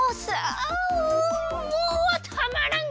あもうたまらん！